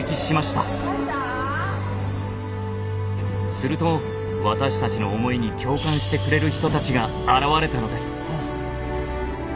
すると私たちの思いに共感してくれる人たちが現れたのです。